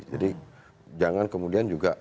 jadi jangan kemudian juga